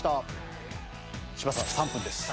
柴田さん３分です。